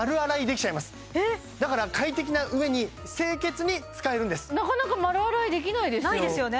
だから快適なうえに清潔に使えるんですなかなか丸洗いできないですよないですよね